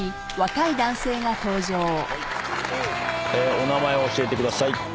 お名前を教えてください。